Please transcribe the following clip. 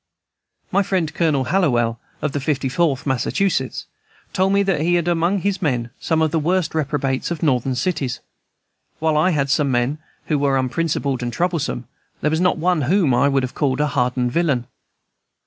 My friend Colonel Hallo well, of the Fifty Fourth Massachusetts, told me that he had among his men some of the worst reprobates of Northern cities. While I had some men who were unprincipled and troublesome, there was not one whom I could call a hardened villain.